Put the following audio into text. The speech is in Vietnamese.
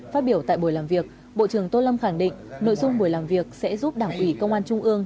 phát biểu tại buổi làm việc bộ trưởng tô lâm khẳng định nội dung buổi làm việc sẽ giúp đảng ủy công an trung ương